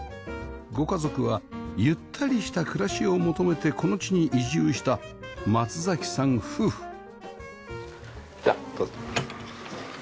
ご家族はゆったりした暮らしを求めてこの地に移住した松さん夫婦